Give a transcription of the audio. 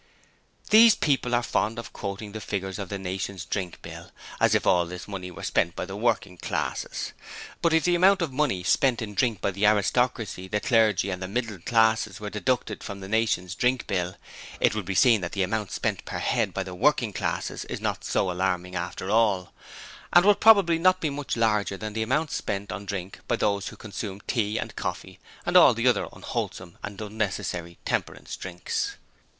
These people are fond of quoting the figures of the 'Nation's Drink Bill,' as if all this money were spent by the working classes! But if the amount of money spent in drink by the 'aristocracy', the clergy and the middle classes were deducted from the 'Nation's Drink Bill', it would be seen that the amount spent per head by the working classes is not so alarming after all; and would probably not be much larger than the amount spent on drink by those who consume tea and coffee and all the other unwholesome and unnecessary 'temperance' drinks.